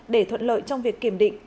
để thuận lợi trong việc kiểm định